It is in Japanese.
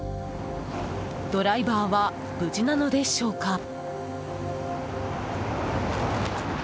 ドライバーは無事なのでしょうか？